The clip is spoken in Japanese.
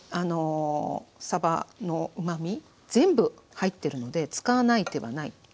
さばのうまみ全部入ってるので使わない手はない。